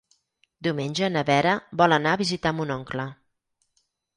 Diumenge na Vera vol anar a visitar mon oncle.